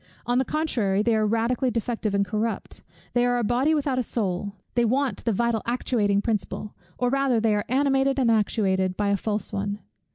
On the contrary, they are radically defective and corrupt; they are a body without a soul; they want the vital actuating principle, or rather they are animated and actuated by a false one.